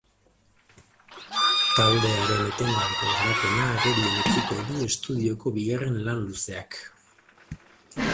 Taldearen etengabeko garapena agerian utziko du estudioko bigarren lan luzeak.